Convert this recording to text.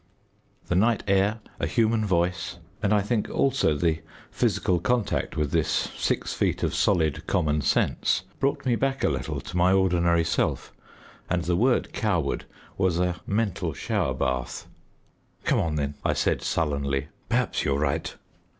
The night air a human voice and I think also the physical contact with this six feet of solid common sense, brought me back a little to my ordinary self, and the word "coward" was a mental shower bath. "Come on, then," I said sullenly; "perhaps you're right."